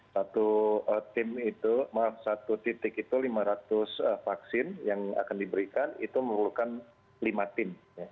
satu tim itu maaf satu titik itu lima ratus vaksin yang akan diberikan itu memerlukan lima tim